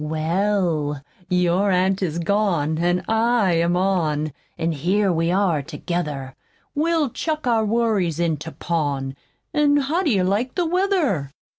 "Well, your aunt is gone, an' I'm on, An' here we are together. We'll chuck our worries into pawn, An' how do you like the weather?"